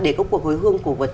để có cuộc hối hương cổ vật